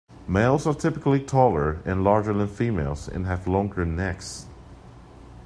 Males are typically taller and larger than females, and have longer necks.